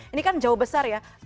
ini kan jauh besar ya